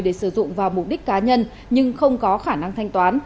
để sử dụng vào mục đích cá nhân nhưng không có khả năng thanh toán